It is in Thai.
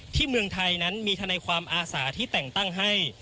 เมืองไทยนั้นมีทนายความอาสาที่แต่งตั้งให้